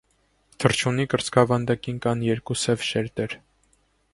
Թռչունի կրծքավանդակին կան երկու սև շերտեր։